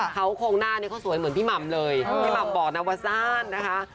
เขาโค้งหน้าเขาสวยเหมือนพี่มัมเลยพี่มัมบอกว่าว่าซ่านนะคะ